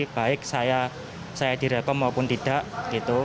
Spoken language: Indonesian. baik saya direkom maupun tidak gitu